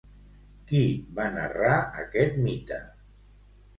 Qui va narrar aquest mite?